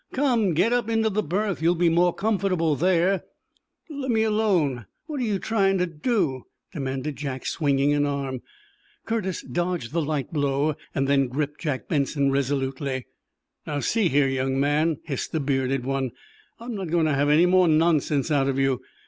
"Come, get up into the berth. You'll be more comfortable there." "Lemme alone. What are you trying to do?" demanded Jack, swinging an arm. Curtis dodged the light blow, then gripped Jack Benson resolutely. "Now, see here, young man," hissed the bearded one, "I'm not going to have any more nonsense out of you.